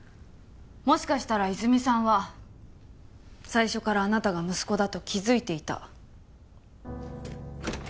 もしかしたら泉水さんは最初からあなたが息子だと気づいていた。